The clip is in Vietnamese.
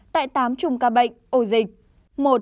tại tám chùm ca bệnh ổ dịch